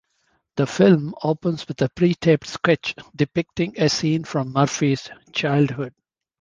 The film opens with a pre-taped sketch depicting a scene from Murphy's childhood.